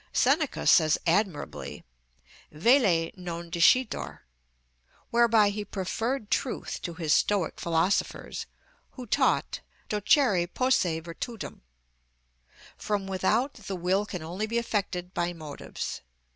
Seneca says admirably, velle non discitur; whereby he preferred truth to his Stoic philosophers, who taught διδακτην ειναι την αρετην (doceri posse virtutem). From without the will can only be affected by motives.